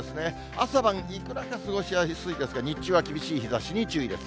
朝晩いくらか過ごしやすいですが、日中は厳しい日ざしに注意です。